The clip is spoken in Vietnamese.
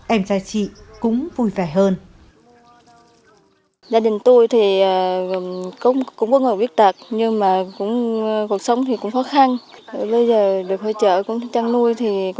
em trai chị cũng vui